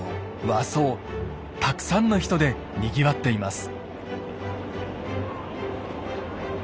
和装たくさんの人でにぎわっています。